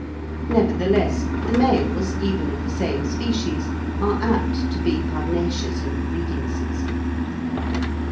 Nevertheless the males, even of the same species, are apt to be pugnacious in the breeding season.